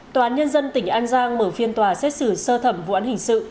tòa án nhân dân tỉnh an giang mở phiên tòa xét xử sơ thẩm vụ án hình sự